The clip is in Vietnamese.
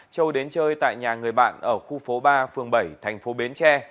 châu đến chơi tại nhà người bạn ở khu phố ba phường bảy tp bến tre